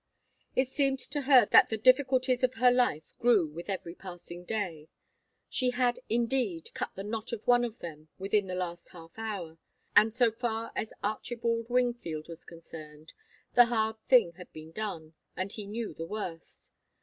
It seemed to her that the difficulties of her life grew with every passing day. She had, indeed, cut the knot of one of them within the last half hour, and so far as Archibald Wingfield was concerned, the hard thing had been done, and he knew the worst.